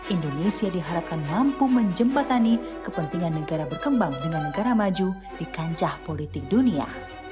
indonesia diharapkan mampu menjembatani kepentingan negara berkembang dengan negara maju di kancah politik dunia